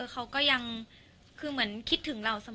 เขาก็ยังคือเหมือนคิดถึงเราเสมอ